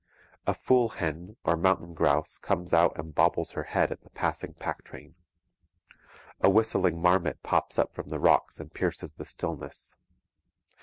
A 'fool hen' or mountain grouse comes out and bobbles her head at the passing packtrain. A whistling marmot pops up from the rocks and pierces the stillness.